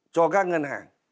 cho các ngân hàng